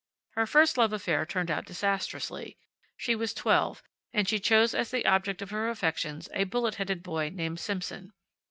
Her first love affair turned out disastrously. She was twelve, and she chose as the object of her affections a bullet headed boy named Simpson.